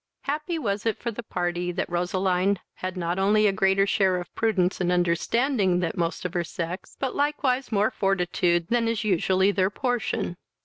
Happy was it for the party that Roseline had not only a greater share of prudence and understanding that most of her sex, but likewise more fortitude than is usually their portion.